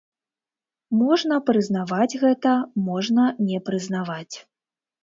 Можна прызнаваць гэта, можна не прызнаваць.